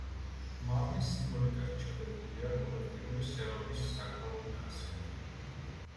მარნის სიმბოლიკაში ჩადებულია კოლექტიური სერობის საკრალური ხასიათი.